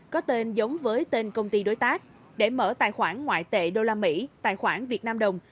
có tên giống với tên công ty đối tác để mở tài khoản ngoại tệ đô la mỹ tài khoản việt nam đồng